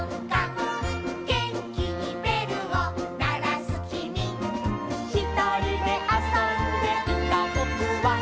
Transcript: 「げんきにべるをならすきみ」「ひとりであそんでいたぼくは」